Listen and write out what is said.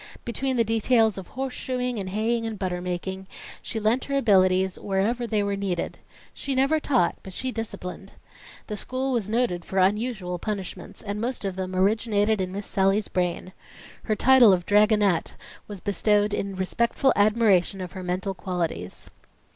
Between the details of horseshoeing and haying and butter making, she lent her abilities wherever they were needed. She never taught; but she disciplined. The school was noted for unusual punishments, and most of them originated in Miss Sallie's brain. Her title of "Dragonette" was bestowed in respectful admiration of her mental qualities.